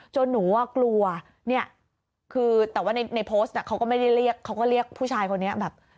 จนหนูกลัวแต่ว่าในโพสต์เขาก็เรียกผู้ชายคนนี้แบบ